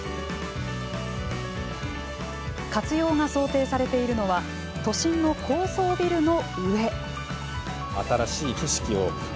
活用が想定されているのは都心の高層ビルの上。